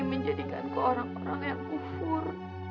menjadikanku orang orang yang kufur